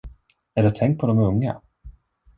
Eller tänk på de unga.